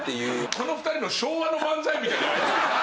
この２人の昭和の漫才みたいなやつ。